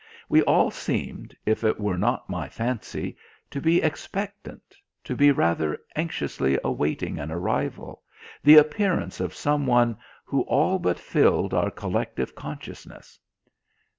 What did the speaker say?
We all seemed, if it were not my fancy, to be expectant, to be rather anxiously awaiting an arrival, the appearance of someone who all but filled our collective consciousness.